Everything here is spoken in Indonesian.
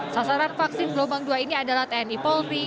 sasaran vaksin gelombang dua ini adalah tni polri